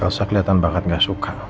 elsa keliatan banget gak suka